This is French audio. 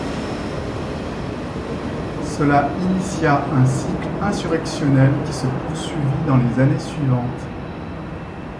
Cela initia un cycle insurrectionnel qui se poursuivit dans les années suivantes.